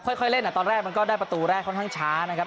ค่อยเล่นตอนแรกมันก็ได้ประตูแรกค่อนข้างช้านะครับ